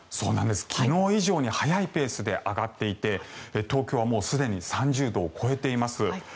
昨日以上に速いペースで上がっていて東京はすでに３０度を超えています。